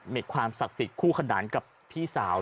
มีความศักดิ์สิทธิ์คู่ขนานกับพี่สาว